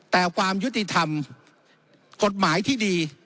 แต่ความยุติธรรมกฎหมายที่ดี